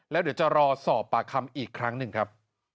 แล้วเดี๋ยวจะรอสอบปากคำอีกครั้งหนึ่งครับ